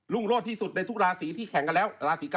ลุงโลดที่สุดในทุกราศิที่แข่งกันแล้ว